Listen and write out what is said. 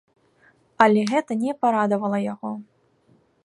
Але гэта не парадавала яго.